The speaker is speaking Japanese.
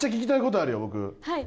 はい。